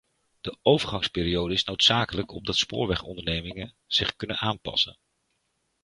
De overgangsperiode is noodzakelijk opdat spoorwegondernemingen zich kunnen aanpassen.